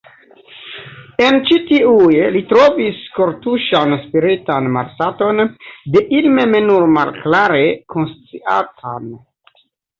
En ĉi tiuj li trovis kortuŝan spiritan malsaton, de ili mem nur malklare konsciatan.